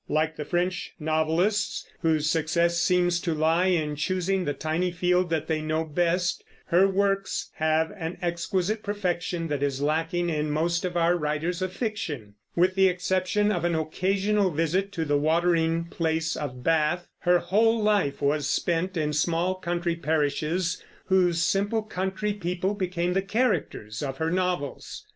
Like the French novelists, whose success seems to lie in choosing the tiny field that they know best, her works have an exquisite perfection that is lacking in most of our writers of fiction. With the exception of an occasional visit to the watering place of Bath, her whole life was spent in small country parishes, whose simple country people became the characters of her novels.